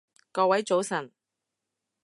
各位早晨